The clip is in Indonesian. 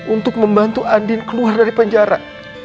untuk membantu andin keluar dari penjara